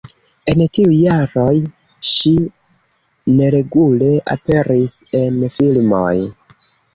En tiuj jaroj, ŝi neregule aperis en filmoj.